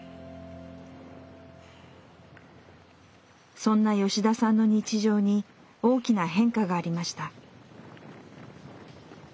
そんな吉田さんの日常に大きな変化がありました。